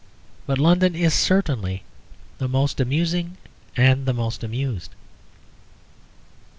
But London is certainly the most amusing and the most amused.